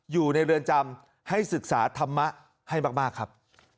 อยู่ในเรือนจำให้ศึกษาธรรมะให้มากครับ